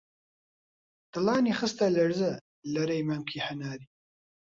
دڵانی خستە لەرزە، لەرەی مەمکی هەناری